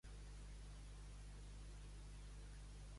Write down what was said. El "Courrier du continent".